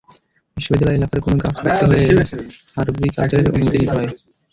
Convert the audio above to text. বিশ্ববিদ্যালয় এলাকার কোনো গাছ কাটতে হলে আরবরি কালচারের অনুমতি নিতে হয়।